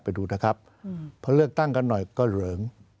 ไปดูนะครับพอเลือกตั้งกันหน่อยก็เหลิง